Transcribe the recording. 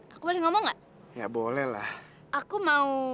aku mau pasang pvp